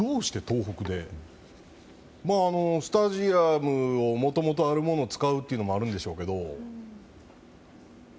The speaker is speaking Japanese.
スタジアムをもともとあるものを使うってこともあるんでしょうけど。